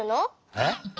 えっ？